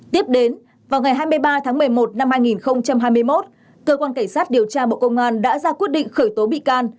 tiếp đến vào ngày hai mươi ba tháng một mươi một năm hai nghìn hai mươi một cơ quan cảnh sát điều tra bộ công an đã ra quyết định khởi tố bị can